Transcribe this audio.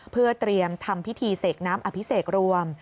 เพื่อเตรียมทำพิธีเสกน้ำอภิเษกรวม